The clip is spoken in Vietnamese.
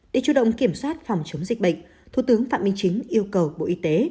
để chủ động kiểm soát phòng chống dịch bệnh thủ tướng phạm minh chính yêu cầu bộ y tế